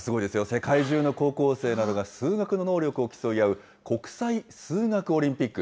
世界中の高校生などが数学の能力を競い合う、国際数学オリンピック。